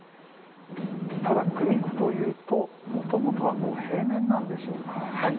ただ、組子というともともとは平面なんでしょうか？